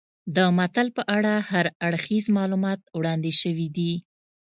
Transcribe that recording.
د متل په اړه هر اړخیز معلومات وړاندې شوي دي